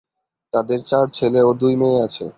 তাদের চার ছেলে ও দুই মেয়ে আছে।